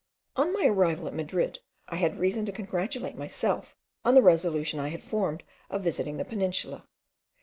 On my arrival at Madrid I had reason to congratulate myself on the resolution I had formed of visiting the Peninsula.